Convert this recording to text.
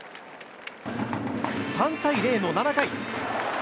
３対０の７回。